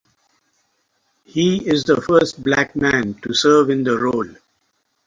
He is the first Black man to serve in the role.